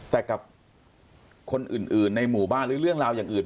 แต่กับคนอื่นในหมู่บ้านหรือเรื่องราวอย่างอื่น